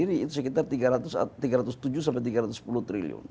itu sekitar rp tiga ratus tujuh tiga ratus sepuluh triliun